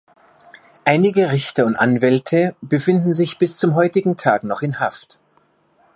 Einige Richter und Anwälte befinden sich bis zum heutigen Tag noch in Haft.